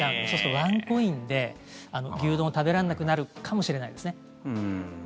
そうするとワンコインで牛丼を食べられなくなるかもしれないですね。